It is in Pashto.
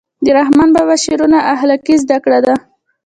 د رحمان بابا شعرونه اخلاقي زده کړه ده.